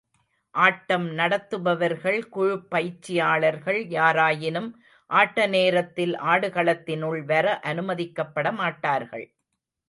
ஆட்டம் நடத்துபவர்கள், குழுப் பயிற்சியாளர்கள் யாராயினும் ஆட்ட நேரத்தில் ஆடுகளத்தினுள் வர அனுமதிக்கப்பட மாட்டார்கள்.